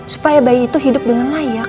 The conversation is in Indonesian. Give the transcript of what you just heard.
supaya bayi itu hidup dengan layak